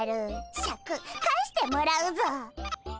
シャク返してもらうぞ！